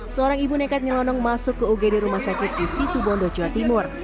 seorang ibu nekat nyelonong masuk ke ugd rumah sakit di situ bondo jawa timur